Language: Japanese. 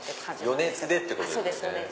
余熱でってことですよね。